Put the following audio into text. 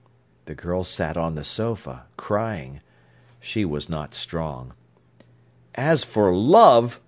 _" The girl sat on the sofa, crying. She was not strong. "As for _love!